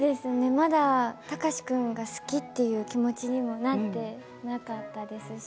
まだ貴司君が好きという気持ちにもなっていなかったですし